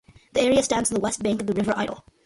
The area stands on the west bank of the River Idle.